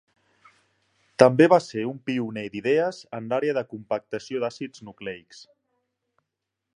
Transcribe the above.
També va ser un pioner d'idees en l'àrea de compactació d'àcids nucleics.